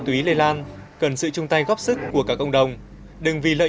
thì em cũng không quan tâm lắm